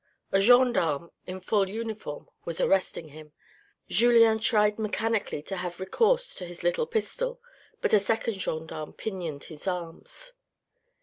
A gendarme, in full uniform, was arresting him. Julien tried mechanically to have recourse to his little pistol ; but a second gendarme pinioned his arms.